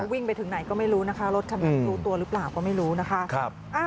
วิ่งไปถึงไหนก็ไม่รู้นะคะรถคันนั้นรู้ตัวหรือเปล่าก็ไม่รู้นะคะ